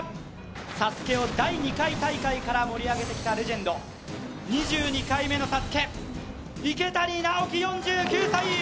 ＳＡＳＵＫＥを第２回大会から盛り上げてきたレジェンド、２２回目のＳＡＳＵＫＥ、池谷直樹４９歳。